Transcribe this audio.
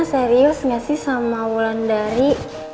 serius gak sih sama wulan dari